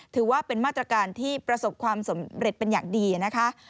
ถือว่าเป็นมาตรการที่ประสบความสำเร็จเป็นอย่างดีนะคะ